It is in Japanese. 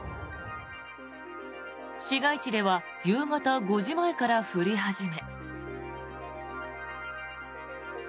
市街地では夕方５時前から降り始め。